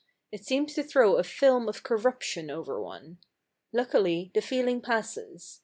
It seems to throw a film of corrup tion over one. Luckily the feeling passes.